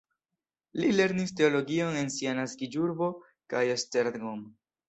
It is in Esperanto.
Li lernis teologion en sia naskiĝurbo kaj Esztergom.